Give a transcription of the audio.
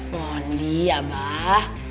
mohon dia abah